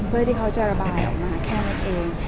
เพื่อที่เขาจะระบายออกมาแค่นั้นเอง